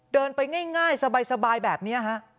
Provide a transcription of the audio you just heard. เดินไปง่ายสบายแบบนี้ฮะ